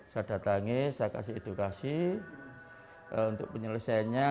saya datangi saya kasih edukasi untuk penyelesaiannya